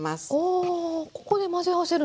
おここで混ぜ合わせるんですか？